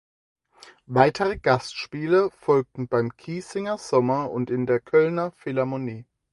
Weitere Gastspiele folgten beim Kissinger Sommer und in der Kölner Philharmonie.